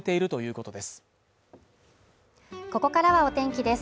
ここからはお天気です